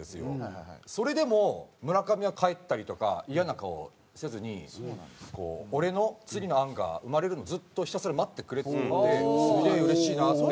それでも村上は帰ったりとかイヤな顔せずにこう俺の次の案が生まれるのずっとひたすら待ってくれてすげえうれしいなって。